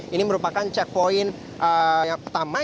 ini merupakan checkpoint yang pertama